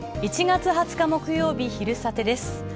１月２０日、木曜日「昼サテ」です。